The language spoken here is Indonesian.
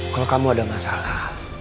kalau kamu ada masalah